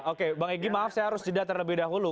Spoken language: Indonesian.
oke bang egy maaf saya harus jeda terlebih dahulu